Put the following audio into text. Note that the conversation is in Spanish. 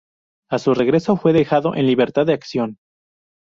A su regreso fue dejado en libertad de acción.